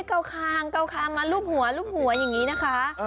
มาให้เกาคางมาลูบหัวอย่างนี้นะคะ